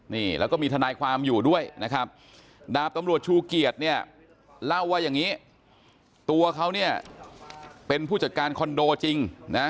นี่แล้วก็มีทนายความอยู่ด้วยนะครับดาบตำรวจชูเกียรติเนี่ยเล่าว่าอย่างนี้ตัวเขาเนี่ยเป็นผู้จัดการคอนโดจริงนะ